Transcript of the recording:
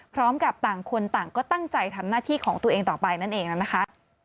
ต่างคนต่างก็ตั้งใจทำหน้าที่ของตัวเองต่อไปนั่นเองแล้วนะคะ